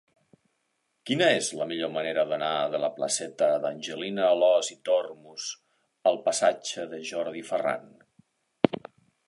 Quina és la millor manera d'anar de la placeta d'Angelina Alòs i Tormos al passatge de Jordi Ferran?